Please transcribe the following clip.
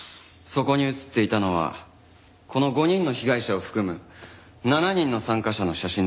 そこに映っていたのはこの５人の被害者を含む７人の参加者の写真です。